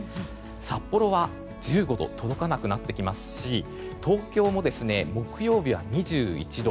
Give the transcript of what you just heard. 札幌は１５度に届かなくなってきますし東京も木曜日は２１度。